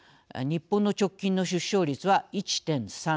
日本の直近の出生率は１．３６。